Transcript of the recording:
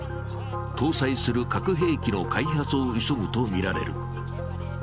搭載する核兵器の開発を急ぐとみられる。